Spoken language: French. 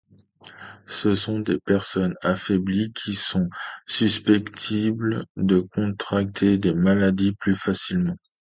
Ce sont des personnes affaiblies qui sont susceptibles de contracter des maladies plus facilement.